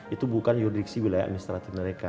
itu bukan yudiksi wilayah administratif mereka